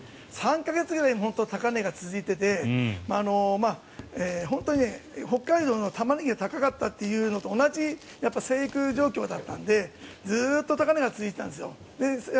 ３か月ぐらい高値が続いていて本当に北海道のタマネギが高かったというのと同じ生育状況だったのでずっと高値が続いていたんです。